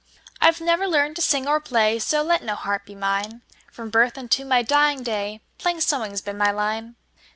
I 've never learned to sing or play, So let no harp be mine; From birth unto my dying day, Plain sewing 's been my line.